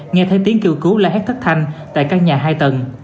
nghe thấy tiếng kêu cứu la hét thất thanh tại căn nhà hai tầng